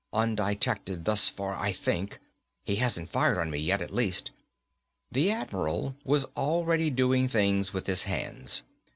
Undetected thus far I think. He hasn't fired on me yet, at least." The Admiral was already doing things with his hands.